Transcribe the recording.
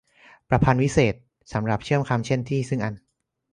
ประพันธวิเศษณ์ สำหรับเชื่อมคำ เช่น ที่ ซึ่ง อัน